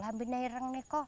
lebih negerang niko